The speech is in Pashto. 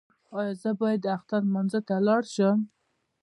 ایا زه باید اختر لمانځه ته لاړ شم؟